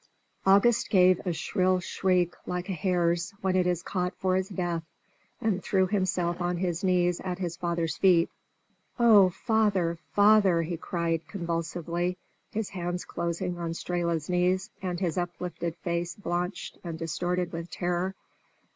'" August gave a shrill shriek like a hare's when it is caught for its death, and threw himself on his knees at his father's feet. "Oh, father, father!" he cried, convulsively, his hands closing on Strehla's knees, and his uplifted face blanched and distorted with terror.